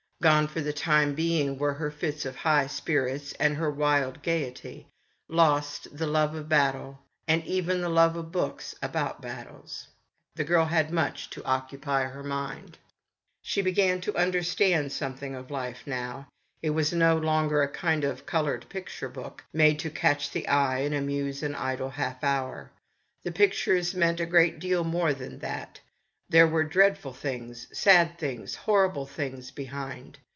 Gone, for the time being, were her fits of high spirits and her wild gaiety ; lost, the love of battle, and even the love of books about battles. The girl had much to occupy her mind. She began to understand something of life now. A CHILD. 27 It was no longer a kind of coloured picture book, made to catch the eye and amuse an idle half hour. The pictures meant a great deal more than that. There were dreadful things, sad things, horrible things behind.